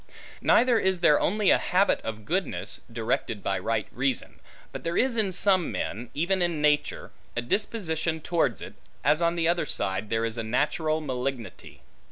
Neither is there only a habit of goodness, directed by right reason; but there is in some men, even in nature, a disposition towards it; as on the other side, there is a natural malignity.